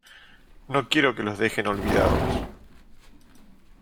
No quiero que los dejen olvidados.